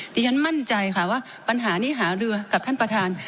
ดิฉันมั่นใจค่ะว่าปัญหานี้หารือกับท่านประธาน